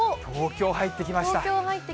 東京入ってきました。